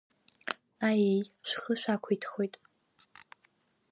Аиеи, шәхы шәақәиҭхоит…